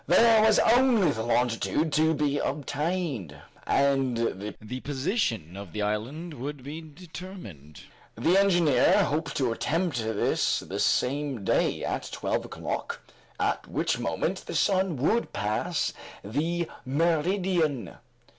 There was only the longitude to be obtained, and the position of the island would be determined, The engineer hoped to attempt this the same day, at twelve o'clock, at which moment the sun would pass the meridian.